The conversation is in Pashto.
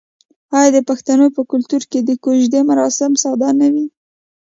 آیا د پښتنو په کلتور کې د کوژدې مراسم ساده نه وي؟